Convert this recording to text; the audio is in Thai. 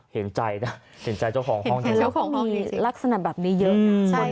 เห็นใจนะเห็นใจเจ้าของห้องแล้วก็มีลักษณะแบบนี้เยอะ